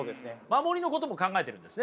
守りのことも考えてるんですね。